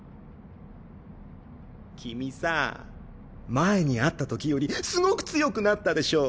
君さ前に会ったときよりすごく強くなったでしょ？